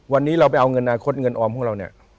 วันนี้เราไปเอาเงินอนาคตเงินออมของเราเนี่ย